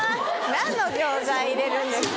・何の錠剤入れるんですか？